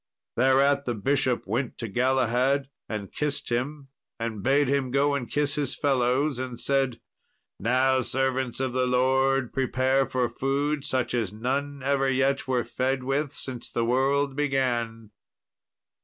Thereat the bishop went to Galahad and kissed him, and bade him go and kiss his fellows; and said, "Now, servants of the Lord, prepare for food such as none ever yet were fed with since the world began."